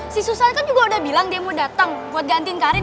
si susat kan juga udah bilang dia mau datang buat gantiin karin